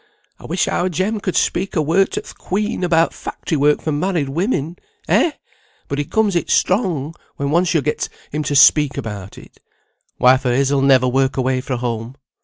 "I wish our Jem could speak a word to th' Queen about factory work for married women. Eh! but he comes it strong, when once yo get him to speak about it. Wife o' his'n will never work away fra' home."